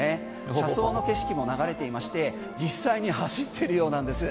車窓の景色も流れていまして実際に走ってるようなんです。